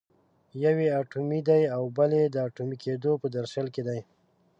یو یې اټومي دی او بل یې د اټومي کېدو په درشل کې دی.